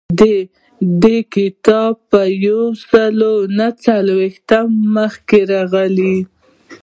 د دې کتاب په یو سل نهه څلویښتم مخ راغلی.